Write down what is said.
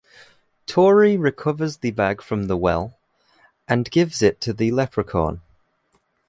Tory recovers the bag from the well and gives it to the leprechaun.